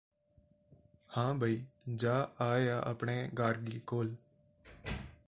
ਹਾਂ ਬਈ ਜਾਅ ਆਇਆ ਆਪਣੇ ਗਾਰਗੀ ਕੋਲ